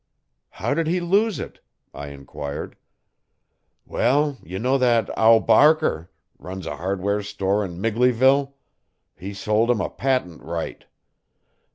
'How did he lose it?' I enquired. 'Wall ye know that Ow Barker runs a hardware store in Migleyville he sold him a patent right.